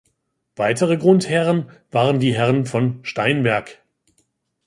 Weitere Grundherren waren die Herren von Steinberg.